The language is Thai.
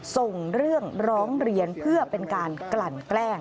ส่งเรื่องร้องเรียนเพื่อเป็นการกลั่นแกล้ง